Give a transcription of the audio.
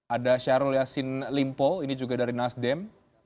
ada syahrul yassin limpo ini juga dari nasdem